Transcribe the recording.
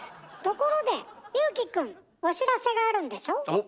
ところで祐貴くんお知らせがあるんでしょ？